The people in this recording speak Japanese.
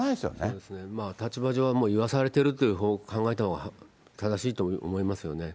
そうですね、立場上はもう言わされてると考えたほうが正しいと思いますよね。